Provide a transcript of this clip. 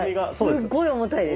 すっごい重たいです。